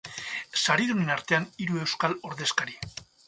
Saridunen artean, hiru euskal ordezkari.